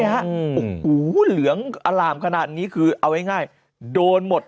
หูเหลืองอารามขนาดนี้คือเอาไว้ง่ายโดนหมด